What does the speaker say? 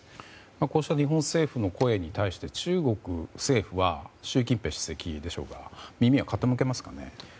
こうした日本政府の声に対して中国政府は、習近平主席は耳は傾けますかね？